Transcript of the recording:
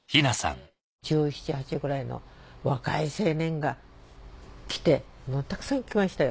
１７１８ぐらいの若い青年が来てもうたくさん来ましたよ。